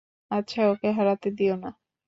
আচ্ছা, ওকে হারাতে দিও না।